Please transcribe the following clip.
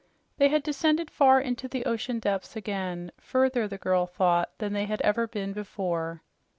They had descended far into the ocean depths again further, the girl thought, than they had ever been before.